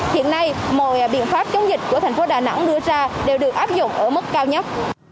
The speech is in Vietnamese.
hiện nay mọi biện pháp chống dịch của thành phố đà nẵng đưa ra đều được áp dụng ở mức cao nhất